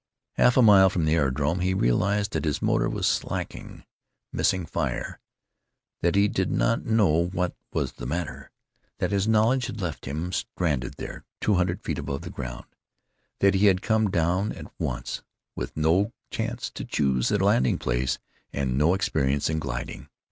Half a mile from the aerodrome he realized that his motor was slackening, missing fire; that he did not know what was the matter; that his knowledge had left him stranded there, two hundred feet above ground; that he had to come down at once, with no chance to choose a landing place and no experience in gliding.